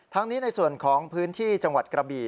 นี้ในส่วนของพื้นที่จังหวัดกระบี่